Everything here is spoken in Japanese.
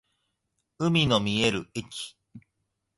海の見える駅